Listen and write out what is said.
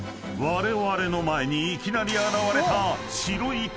［われわれの前にいきなり現れた］